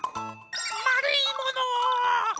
まるいもの！